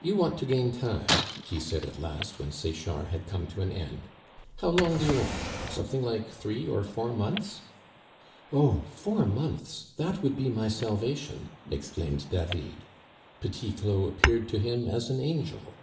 "You want to gain time," he said at last, when Sechard had come to an end. "How long do you want? Something like three or four months?" "Oh! four months! that would be my salvation," exclaimed David. Petit Claud appeared to him as an angel.